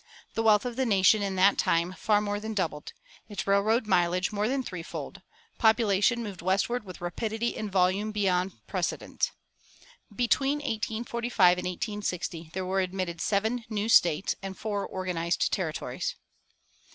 "[340:1] The wealth of the nation in that time far more than doubled; its railroad mileage more than threefolded; population moved westward with rapidity and volume beyond precedent. Between 1845 and 1860 there were admitted seven new States and four organized Territories.